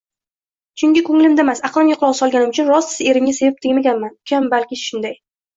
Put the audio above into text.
-Chunki ko’nglimgamas, aqlimga quloq solganim uchun. Rostisi, erimga sevib tegmaganman. Uyam balki shunday…